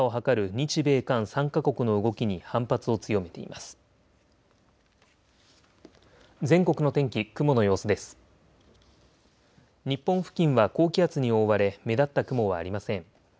日本付近は高気圧に覆われ目立った雲はありません。